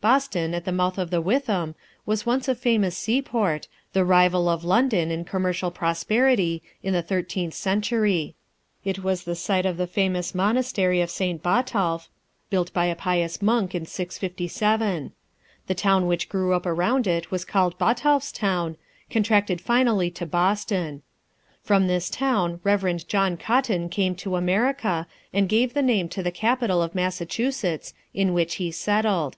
Boston, at the mouth of the Witham, was once a famous seaport, the rival of London in commercial prosperity, in the thirteenth century. It was the site of the famous monastery of St. Botolph, built by a pious monk in 657. The town which grew up around it was called Botolph's town, contracted finally to Boston. From this town Reverend John Cotton came to America, and gave the name to the capital of Massachusetts, in which he settled.